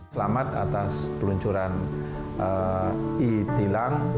selamat atas peluncuran e tilang